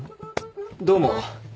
どうも。